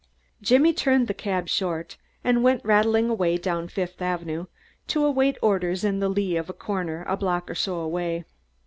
Jimmy turned the cab short and went rattling away down Fifth Avenue to await orders in the lee of a corner a block or so away.